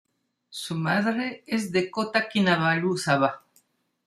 Su madre es de Kota Kinabalu, Sabah.